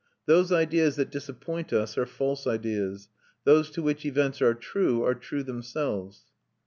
Those ideas that disappoint us are false ideas; those to which events are true are true themselves.